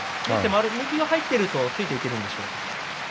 右が入っていると突いていけるんでしょうか？